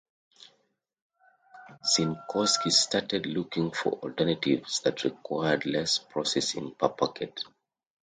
Sincoskie started looking for alternatives that required less processing per packet.